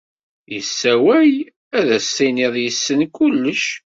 Yessawal ad as-tiniḍ yessen kullec.